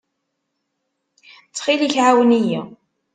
Ttxil-k, ɛawen-iyi.